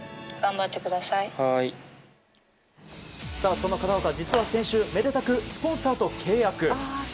その片岡、実は先週めでたくスポンサーと契約。